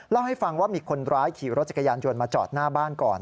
เล่าให้ฟังว่ามีคนร้ายขี่รถจักรยานยนต์มาจอดหน้าบ้านก่อน